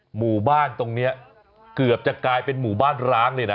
หมู่บ้านตรงนี้เกือบจะกลายเป็นหมู่บ้านร้างเลยนะ